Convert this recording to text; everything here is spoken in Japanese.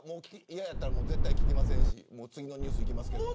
嫌やったら絶対聞きませんし次のニュースいきますけど。